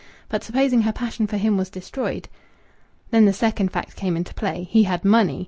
But supposing her passion for him was destroyed? Then the second fact came into play. He had money.